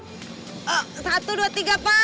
satu dua tiga pak